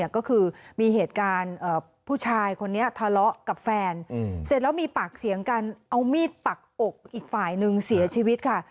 ก็คือมีเหตุการณ์ผู้ชายคนนี้ทะเลาะกับแฟนเสร็จแล้วมีปากเสียงกันเอามีดปักอกอีกฝ่ายนึงเสียชีวิตค่ะ